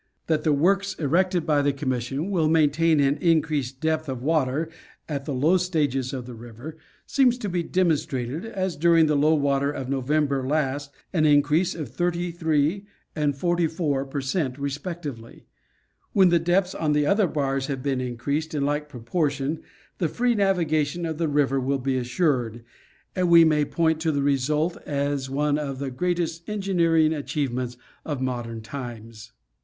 That the works erected by the Commission wiil maintain an increased depth of water at the low stages of the river, seems to be demonstrated, as during the low water of November last a depth of nine feet was found on the Lake Providence and Plum Point bars, an increase of thirty three and forty four per cent. respectively. When the depths on the other bars have been increased in like proportion the free nav igation of the river will be assured, and we may point to the re sult as one of the greatest engineering achievements of modern times.